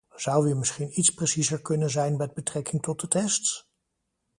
Zou u misschien iets preciezer kunnen zijn met betrekking tot de tests?